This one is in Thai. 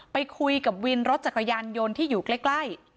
ไปคุยกับวินรถจักรยานยนต์ที่อยู่ใกล้